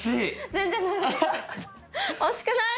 全然惜しくないでしょ！